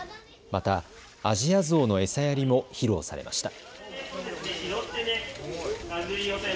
またアジアゾウの餌やりも披露されました。